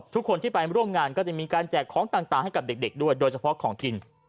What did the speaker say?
ทุกคนที่ไปร่วมงานก็จะมีการแจกของต่างให้กับเด็กด้วยโดยเฉพาะของกิน